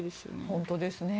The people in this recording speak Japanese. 本当ですね。